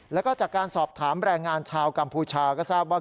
แล้วก็จากการสอบถามแรงงานชาวกัมพูชาก็ทราบว่า